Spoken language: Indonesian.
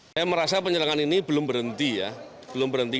saya merasa penyerangan ini belum berhenti ya belum berhenti